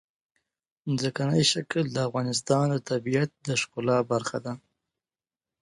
ځمکنی شکل د افغانستان د طبیعت د ښکلا برخه ده.